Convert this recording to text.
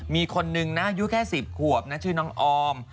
มีคนนึงนะอายุแค่๑๐ขวบนะชื่อน้องออม